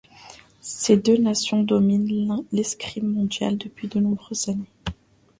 Ces deux nations dominent l'escrime mondiale depuis de nombreuses années.